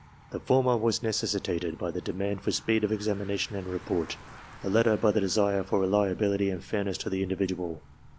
The former was necessitated by the demand for speed of examination and report, the latter by the desire for reliability and fairness to the individual.